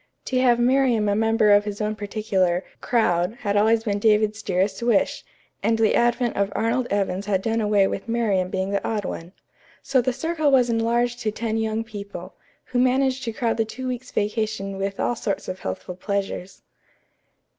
To have Miriam a member of his own particular "crowd" had always been David's dearest wish, and the advent of Arnold Evans had done away with Miriam being the odd one. So the circle was enlarged to ten young people, who managed to crowd the two weeks' vacation with all sorts of healthful pleasures.